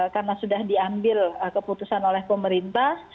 karena sudah diambil keputusan oleh pemerintah